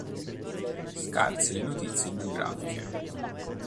Scarse le notizie biografiche.